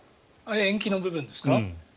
延期の部分ですか？